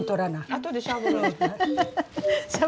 あとでしゃぶるん。